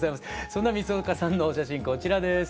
そんな三丘さんのお写真こちらです。